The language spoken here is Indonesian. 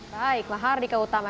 baiklah hardika utama